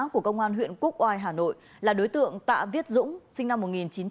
của công an huyện quốc oai hà nội là đối tượng tạ viết dũng sinh năm một nghìn chín trăm tám mươi